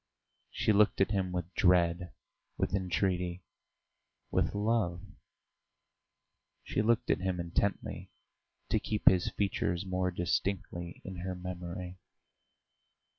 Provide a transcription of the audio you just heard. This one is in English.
She looked at him with dread, with entreaty, with love; she looked at him intently, to keep his features more distinctly in her memory.